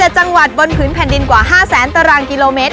๗จังหวัดบนผืนแผ่นดินกว่า๕แสนตารางกิโลเมตร